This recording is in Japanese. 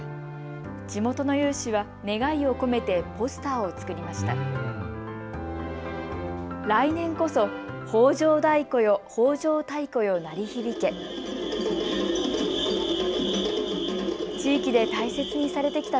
地元の有志は願いを込めてポスターを作りました。